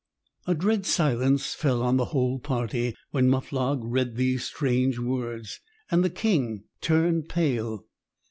A dread silence fell on the whole party when Muflog read these strange words, and the king turned pale.